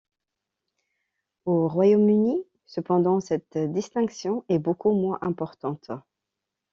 Au Royaume-Uni cependant, cette distinction est beaucoup moins importante.